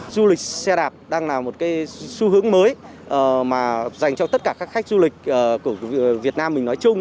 du lịch xe đạp đang là một cái xu hướng mới mà dành cho tất cả các khách du lịch của việt nam mình nói chung